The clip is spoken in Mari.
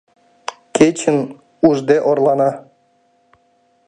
Кечым ужде орлана.